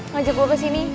ngajak gue ke sini